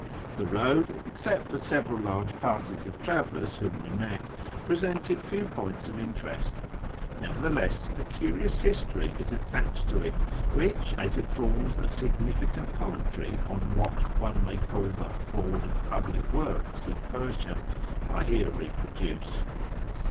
The road, except for several large parties of travellers whom we met, presented few )oints of interest ; nevertheless, a curious history is attached n it, which, as it forms a significant commentary on what one nay call the " Board of Public Works " in Persia, I here eproduce.